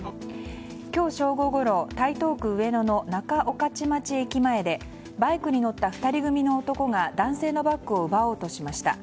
今日正午ごろ台東区上野の仲御徒町駅前でバイクに乗った２人組の男が男性のバッグを奪おうとしました。